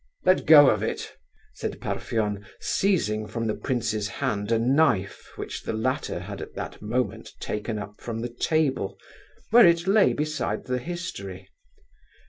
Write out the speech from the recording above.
"Let go of it!" said Parfen, seizing from the prince's hand a knife which the latter had at that moment taken up from the table, where it lay beside the history.